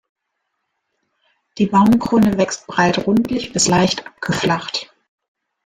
Die Baumkrone wächst breit-rundlich bis leicht abgeflacht.